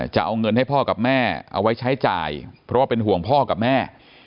จะเอาเงินให้พ่อกับแม่เอาไว้ใช้จ่ายเพราะว่าเป็นห่วงพ่อกับแม่